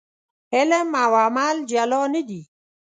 علم او عمل جلا نه دي.